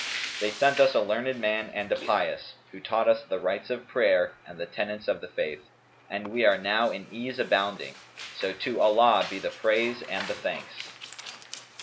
They sent us a learned man and a pious, who taught us the rites of prayer and the tenets of the faith; and we are now in ease abounding; so to Allah be the praise and the thanks!"